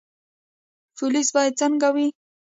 پولیس باید څنګه وي؟